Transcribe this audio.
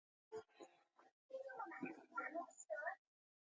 د نورو نظر او نیوکه له پامه غورځول غلط کار دی.